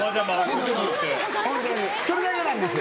それだけなんですよ。